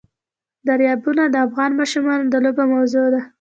دریابونه د افغان ماشومانو د لوبو موضوع ده.